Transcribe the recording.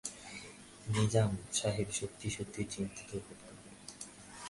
নিজাম সাহেব সত্যি-সত্যি চিন্তিত বোধ করলেন।